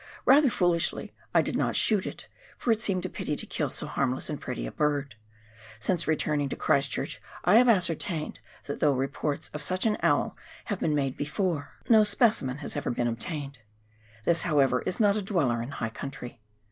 Rather foolishly I did not shoot it, for it seemed a pity to kill so harmless and pretty a bird. Since returning to Christchurch, I have ascertained that though reports of such an owl have been made before, no specimen has ever KARANGARUA DISTRICT. 269 been obtained. This, bowever, is not a dweller in high country.